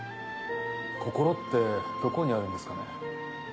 心ってどこにあるんですかね？